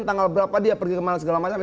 tanggal berapa dia pergi kemana segala macam